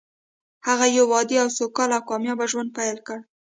هغه يو عادي او سوکاله او کامياب ژوند پيل کړ.